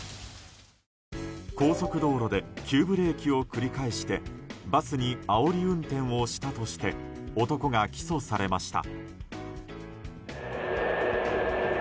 高速道路で急ブレーキを繰り返してバスにあおり運転をしたとして男が起訴されました。